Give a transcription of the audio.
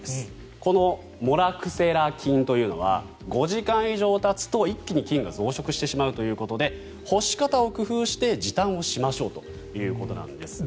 このモラクセラ菌というのは５時間以上たつと一気に菌が増殖してしまうということで干し方を工夫して時短をしましょうということですが。